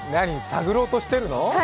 探ろうとしてるの？